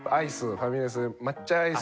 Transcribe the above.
ファミレスで抹茶アイス。